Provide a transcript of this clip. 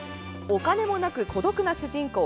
お金もなく孤独な主人公